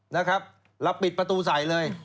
แล้วปิดประตูใส่เลย